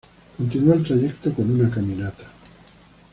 Continúa el trayecto con una caminata.